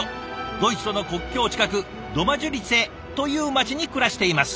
ドイツとの国境近くドマジュリツェという街に暮らしています。